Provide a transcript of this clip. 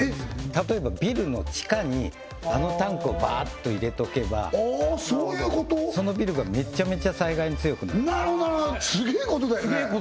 例えばビルの地下にあのタンクをばーっと入れておけばそのビルがめちゃめちゃ災害に強くなるなるほどなるほどすげえことだよね